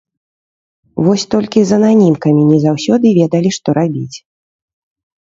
Вось толькі з ананімкамі не заўсёды ведалі, што рабіць.